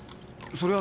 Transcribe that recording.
それは。